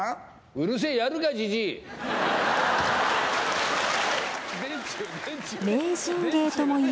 うるせぇ、やるか、じじい。